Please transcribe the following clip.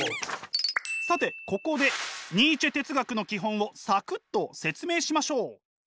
さてここでニーチェ哲学の基本をサクッと説明しましょう！